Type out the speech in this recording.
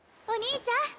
お兄ちゃん！